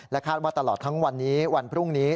คาดว่าตลอดทั้งวันนี้วันพรุ่งนี้